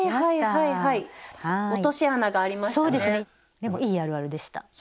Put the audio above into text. でもいいあるあるでした。